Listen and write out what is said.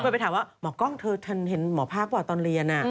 ไปถามว่าหมอกล้องเธอเห็นหมอภาคบอกตอนเรียน